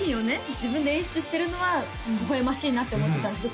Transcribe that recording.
自分で演出してるのはほほえましいなって思ってたんですけど